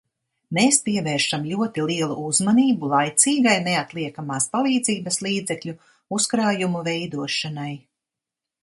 Mēs pievēršam ļoti lielu uzmanību laicīgai neatliekamās palīdzības līdzekļu uzkrājumu veidošanai.